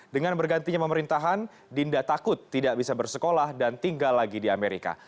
dengan bergantinya pemerintahan dinda takut tidak bisa bersekolah dan tinggal lagi di amerika